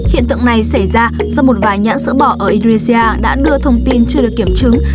hiện tượng này xảy ra do một vài nhãn sữa bò ở indonesia đã đưa thông tin chưa được kiểm chứng